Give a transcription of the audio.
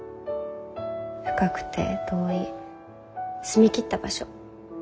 深くて遠い澄み切った場所。